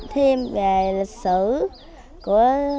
thêm về lịch sử